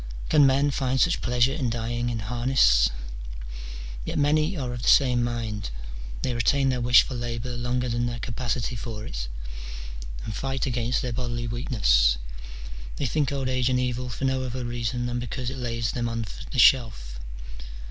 Can men find such pleasure in dying in harness ? Yet many are of the same mind : they retain their wish for labour longer than their <;apacity for it, and fight against their bodily weakness ; they think old age an evil for no other reason than because it lays them on the shelf.